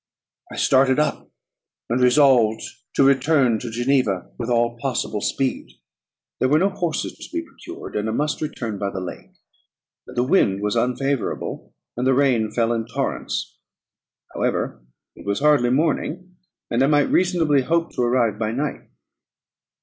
I started up, and resolved to return to Geneva with all possible speed. There were no horses to be procured, and I must return by the lake; but the wind was unfavourable, and the rain fell in torrents. However, it was hardly morning, and I might reasonably hope to arrive by night.